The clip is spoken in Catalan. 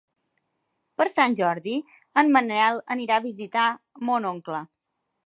Per Sant Jordi en Manel anirà a visitar mon oncle.